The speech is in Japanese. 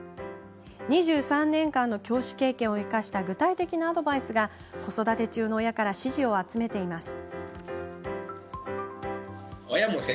２３年間の教師経験を生かした具体的なアドバイスが子育て中の親から支持を集めています。